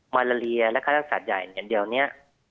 มาลาเลียและค่ารักษาใหญ่อย่างเดียวเนี่ย